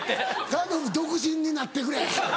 頼む独身になってくれ。